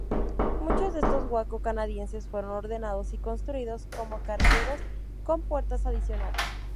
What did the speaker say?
Muchos de estos Waco canadienses fueron ordenados y construidos como cargueros con puertas adicionales.